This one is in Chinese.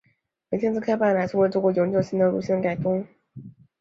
本线自开办以来从未做过永久性的路线改动。